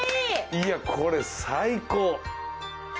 いやこれ最高！